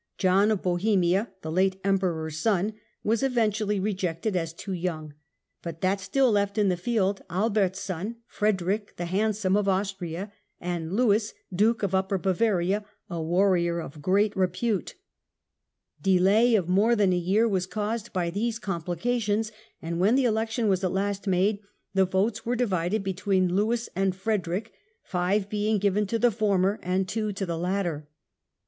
John of Bohemia, the late Bliiperor's son, was eventually rejected as too young'; but that still left in the field Albert's son, Frederick the Handsome of Austria ; and Lewis Duke of Upper Bavaria, a warrior of great repute. Delay of Lewis of more than a year was caused by these complications, and and^^'* when the election was at last made, the votes were ^J®.^®"'^!^ '__ of Austria divided between Lewis and Frederick, five being given ^oth cllOSGll to the former and two to the latter.